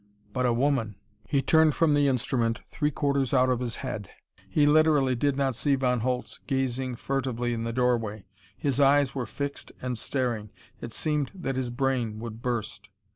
But a woman He turned from the instrument, three quarters out of his head. He literally did not see Von Holtz gazing furtively in the doorway. His eyes were fixed and staring. It seemed that his brain would burst.